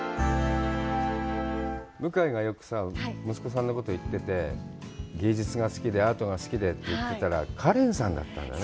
向井がよくさ、息子さんのことを言ってて、芸術が好きでアートが好きでって言ってたらカレンさんだったんだね。